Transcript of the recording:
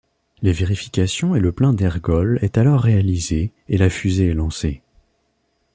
Les vérifications et le plein d'ergols est alors réalisé et la fusée est lancée.